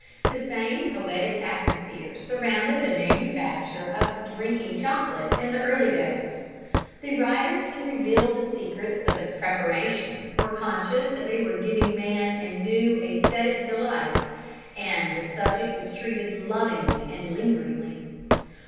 The same poetic atmosphere surrounded the manufacture of drinking chocolate in the early days: the writers who revealed the secrets of its preparation were conscious that they were giving man a new æsthetic delight and the subject is treated lovingly and lingeringly.